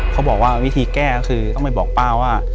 เขาบอกว่าวิธีแก้ก็คือต้องไปบอกป้าว่า